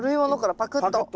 パクッと。